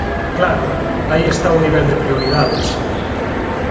Claro, ¡aí está o nivel de prioridades!